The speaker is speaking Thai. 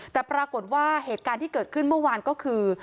แต่ปรากฏว่าเหตุการณ์ที่เกิดขึ้นเมื่อวานก็คือ